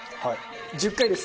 １０回です。